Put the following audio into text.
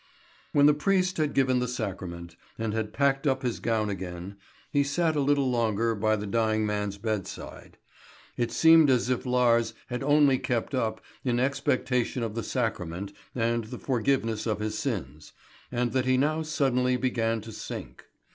When the priest had given the sacrament, and had packed up his gown again, he sat a little longer by the dying man's bedside. It seemed as if Lars had only kept up in expectation of the sacrament and the forgiveness of his sins, and that he now suddenly began to sink.